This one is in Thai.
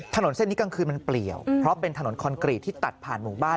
ถนนเส้นนี้กลางคืนมันเปลี่ยวเพราะเป็นถนนคอนกรีตที่ตัดผ่านหมู่บ้าน